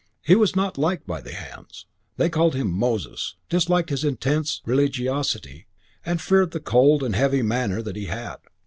He was not liked by the hands. They called him Moses, disliked his intense religiosity and feared the cold and heavy manner that he had.